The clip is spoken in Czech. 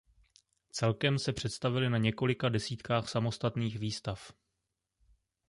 Celkem se představily na několika desítkách samostatných výstav.